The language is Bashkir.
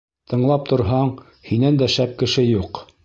Тыңлап торһаң, һинән дә шәп кеше юҡ.